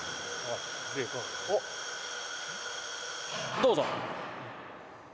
どうぞ。